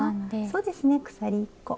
そうですね鎖１個。